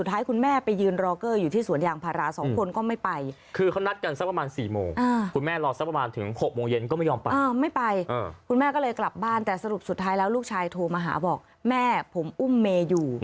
แหน่งถ่าย